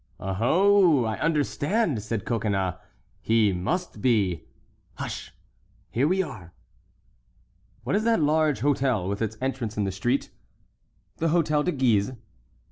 "Oho, I understand!" said Coconnas; "he must be"— "Hush! here we are." "What is that large hôtel, with its entrance in the street?" "The Hôtel de Guise."